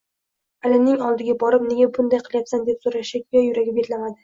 Alining oldiga borib, nega bunday qilyapsan, deb so`rashga yuragi betlamadi